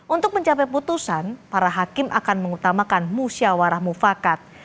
untuk mencapai putusan para hakim akan mengutamakan musyawarah mufakat